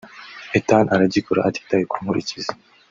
Ethan aragikora atitaye ku nkurikizi